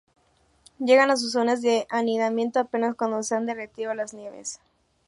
Llegan a sus zonas de anidamiento apenas cuando se han derretido las nieves.